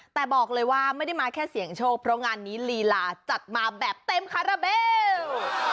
แต่บอกเลยว่าไม่ได้มาแค่เสี่ยงโชคเพราะงานนี้ลีลาจัดมาแบบเต็มคาราเบล